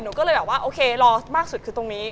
ก็เลยแบบว่าโอเครอมากสุดคือตรงนี้